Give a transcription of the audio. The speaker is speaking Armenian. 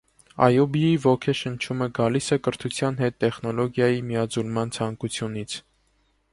Այուբիի ոգեշնչումը գալիս է կրթության հետ տեխնոլոգիայի միաձուլման ցանկությունից։